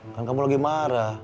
kan kamu lagi marah